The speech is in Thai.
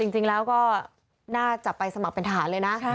จริงแล้วก็น่าจะไปสมัครเป็นทหารเลยนะ